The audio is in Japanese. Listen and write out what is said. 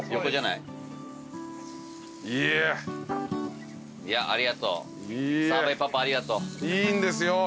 いいんですよ。